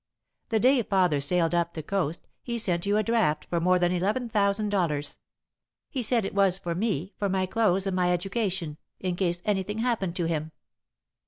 The day father sailed up the coast, he sent you a draft for more than eleven thousand dollars. He said it was for me for my clothes and my education, in case anything happened to him.